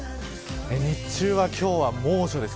日中は、今日は猛暑です。